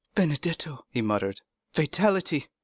"Benedetto?" he muttered; "fatality!"